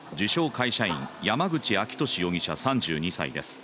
会社員山口明俊容疑者３２歳です。